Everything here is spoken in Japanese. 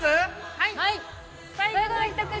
はい。